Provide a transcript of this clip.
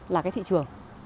là cái thị trường